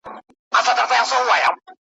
عبدالباري جهاني: رباعیات `